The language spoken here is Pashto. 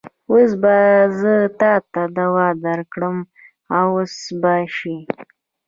اوس به زه تاته دوا درکړم او سم به شې.